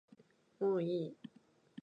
もういい